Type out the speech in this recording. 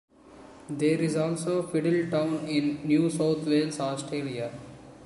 There is also a Fiddletown in New South Wales, Australia.